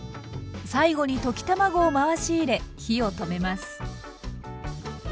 最後に溶き卵を回し入れ火を止めます。